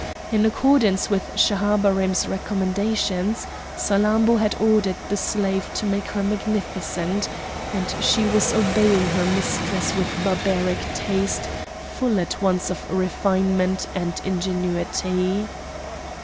In accordance with Schahabarim's recommendations, Salammbô had ordered the slave to make her magnificent; and she was obeying her mistress with barbaric taste full at once of refinement and ingenuity.